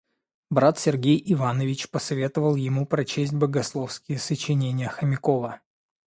Брат Сергей Иванович посоветовал ему прочесть богословские сочинения Хомякова.